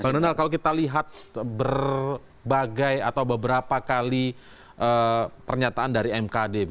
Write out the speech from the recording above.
bang donald kalau kita lihat berbagai atau beberapa kali pernyataan dari mkd